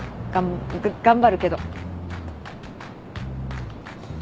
がっ頑張るけど。